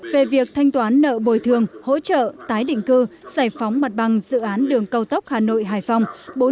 về việc thanh toán nợ bồi thường hỗ trợ tái định cư giải phóng mặt bằng dự án đường cao tốc hà nội hải phòng